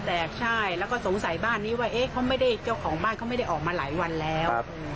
แต่ใช่แล้วก็สงสัยบ้านนี้ว่าเจ้าของบ้านเขาไม่ได้ออกมาหลายวันแล้ว